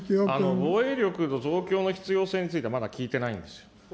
防衛力の増強の必要性については、まだ聞いていないんですよ。